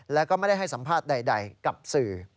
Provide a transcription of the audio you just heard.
แล้วก็ไม่ได้ให้สัมภาษณ์ใดกับสื่อ